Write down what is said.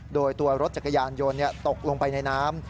โดยตัวรถจักรยานยนต์ตกลงไปในน้ำ